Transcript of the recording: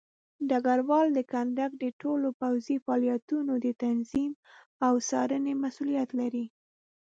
ډګروال د کندک د ټولو پوځي فعالیتونو د تنظیم او څارنې مسوولیت لري.